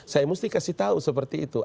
saya mesti kasih tahu seperti itu